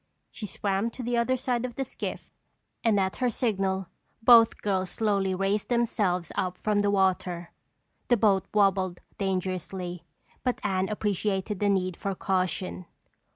She swam to the other side of the skiff and at her signal both girls slowly raised themselves up from the water. The boat wobbled dangerously but Anne appreciated the need for caution.